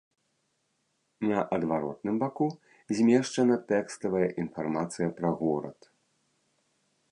На адваротным баку змешчана тэкставая інфармацыя пра горад.